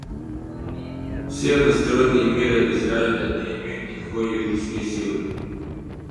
Все односторонние меры Израиля не имеют никакой юридической силы.